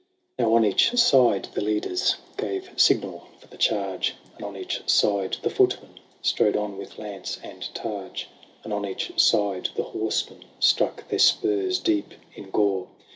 XIV. Now on each side the leaders Gave signal for the charge ; And on each side the footmen Strode on with lance and targe ; And on each side the horsemen Struck their spurs deep in gore ; BATTLE OF THE LAI^ REGILLUS.